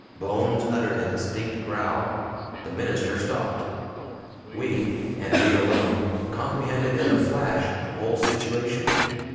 Bones uttered a distinct growl. The minister stopped. We, and we alone, comprehended in a flash the whole situation.